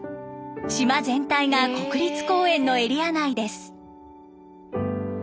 島全体が国立公園のエリア内です。